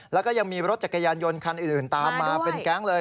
แล้วก็ยังมีรถจักรยานยนต์คันอื่นตามมาเป็นแก๊งเลย